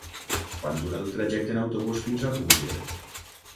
Quant dura el trajecte en autobús fins a Búger?